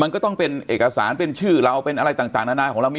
มันก็ต้องเป็นเอกสารเป็นชื่อเราเป็นอะไรต่างนานาของเรามี